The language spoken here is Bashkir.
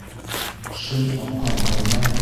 Шым аҡҡан һыуҙан